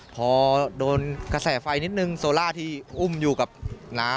พอโดนกระแสไฟนิดนึงโซล่าที่อุ้มอยู่กับน้า